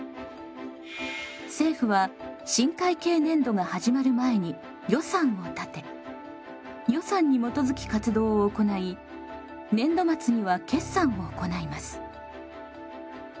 政府は新会計年度が始まる前に予算を立て予算にもとづき活動を行い年度末には決算を行います。